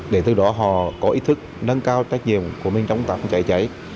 để từ đó họ có ý thức nâng cao trách nhiệm của mình trong tác phòng trái chữa cháy